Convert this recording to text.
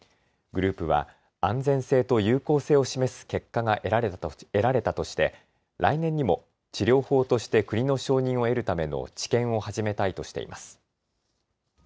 グループは安全性と有効性を示す結果が得られたとして来年にも治療法として国の承認を得るための治験を始めたいとしています。